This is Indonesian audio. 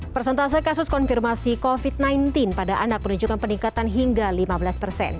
persentase kasus konfirmasi covid sembilan belas pada anak menunjukkan peningkatan hingga lima belas persen